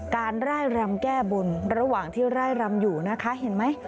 ร่ายรำแก้บนระหว่างที่ร่ายรำอยู่นะคะเห็นไหม